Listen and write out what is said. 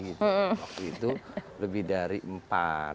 waktu itu lebih dari empat